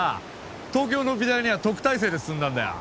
東京の美大には特待生で進んだんだよ。